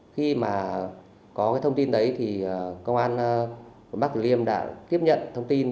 khi mà có cái thông tin đấy thì công an quận bắc tử liêm đã tiếp nhận thông tin